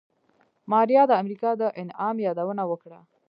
ماريا د امريکا د انعام يادونه وکړه.